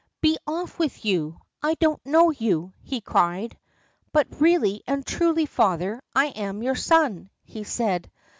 "Be off with you! I don't know you," he cried. "But really and truly, father, I am your son," he said.